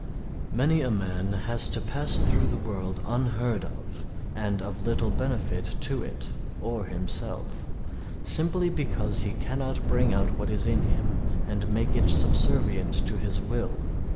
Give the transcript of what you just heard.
Many a man has to pass through the world unheard of and of little benefit to it or himself, simply because he cannot bring out what is in him and make it subservient to his will.